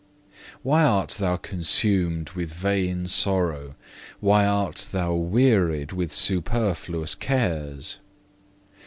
2. "Why art thou consumed with vain sorrow? Why art thou wearied with superfluous cares?